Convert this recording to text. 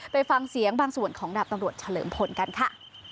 ไปฟังเสียงบางส่วนของดาบตำรวจเฉลิมพลกันค่ะ